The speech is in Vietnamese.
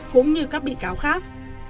cũng như các bị cáo khác